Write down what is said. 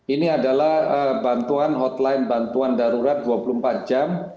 ini adalah bantuan hotline bantuan darurat dua puluh empat jam